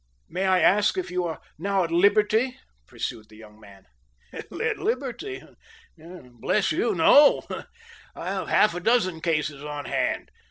"May I ask if you are now at liberty?" pursued the young man. "At liberty? Bless you, no! I have half a dozen cases on hand.